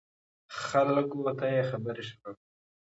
خلکو ته یې خبرې شروع کړې.